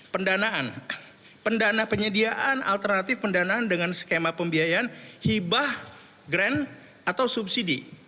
pendanaan pendana penyediaan alternatif pendanaan dengan skema pembiayaan hibah grand atau subsidi